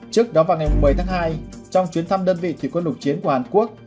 trước đó vào ngày một mươi tháng hai trong chuyến thăm đơn vị thủy quân lục chiến của hàn quốc